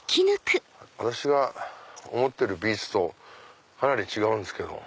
私が思っているビーツとかなり違うんですけども。